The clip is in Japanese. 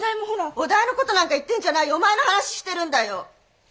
お代の事なんか言ってんじゃないお前の話してるんだよ！